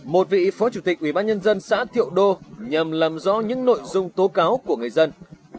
một vị phó chủ tịch ủy ban nhân dân xã thiệu đô nhằm làm rõ những nội dung tố cáo của người dân